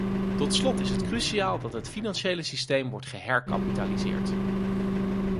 Tot slot is het cruciaal dat het financiële systeem wordt geherkapitaliseerd.